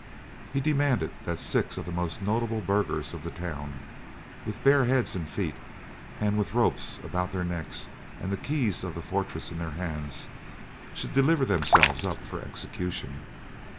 He demanded that six of the most notable burghers of the town, with bare heads and feet, and with ropes about their necks and the keys of the fortress in their hands, should deliver themselves up for execution.